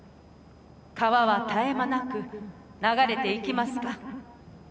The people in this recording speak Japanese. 川は絶え間なく流れていきますか。